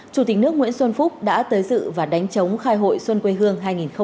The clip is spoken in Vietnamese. chủ tịch nước nguyễn xuân phúc đã tới dự và đánh chống khai hội xuân quê hương hai nghìn hai mươi